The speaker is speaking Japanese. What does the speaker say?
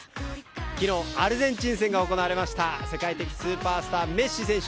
昨日アルゼンチン戦が行われました世界的スーパースターメッシ選手。